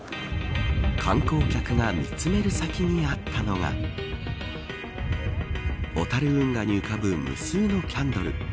観光客が見つめる先にあったのは小樽運河に浮かぶ無数のキャンドル。